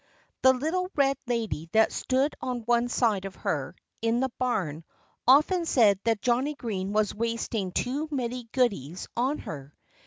The little red lady that stood on one side of her, in the barn, often said that Johnnie Green was wasting too many goodies on her.